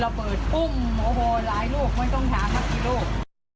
ระเบิดปุ้มโอ้โหหลายลูกมันต้องท้าทักทีลูก